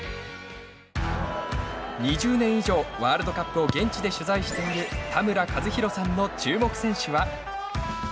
２０年以上、ワールドカップを現地で取材している田村一博さんの注目選手は。